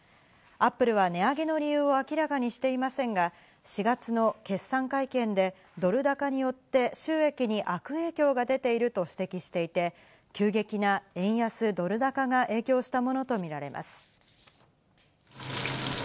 Ａｐｐｌｅは値上げの理由を明らかにしていませんが、４月の決算会見でドル高によって収益に悪影響が出ていると指摘していて、急激な円安ドル高が影響したものとみられます。